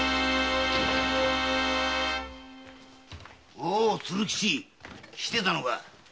おう鶴吉来てたのか。